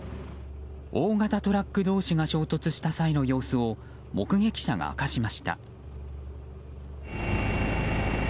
大型トラック同士が衝突した際の様子を目撃者が明かしました。